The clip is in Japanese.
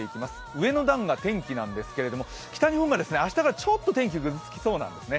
上の段が天気なんですけど北日本は明日からちょっと天気がぐずつきそうなんですね。